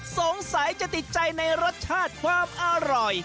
สงสัยจะติดใจในรสชาติความอร่อย